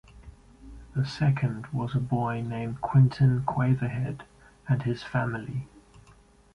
The second was a boy named Quentin Quaverhead and his family.